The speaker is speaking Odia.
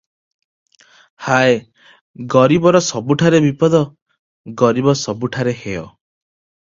ହାୟ, ଗରିବର ସବୁଠାରେ ବିପଦ- ଗରିବ ସବୁଠାରେ ହେୟ ।